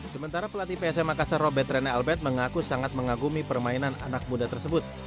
sementara pelatih psm makassar robert rene albert mengaku sangat mengagumi permainan anak muda tersebut